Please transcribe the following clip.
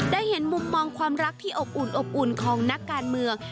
ได้เห็นมุมมองความรักที่อบอุ่นอบอุ่นของนักการเมือง